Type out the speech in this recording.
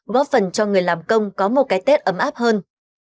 góp phần cho người làm công có một cái tết ấm áp hơn